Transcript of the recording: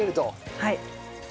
はい。